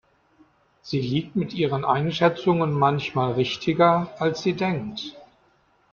Sie liegt mit ihren Einschätzungen manchmal richtiger, als sie denkt.